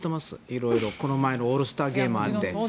色々、この前のオールスターもあって。